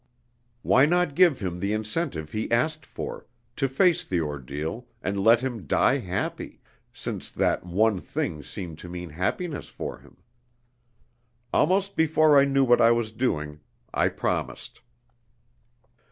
Why not give him the incentive he asked for, to face the ordeal, and let him die happy since that one thing seemed to mean happiness for him? Almost before I knew what I was doing, I promised.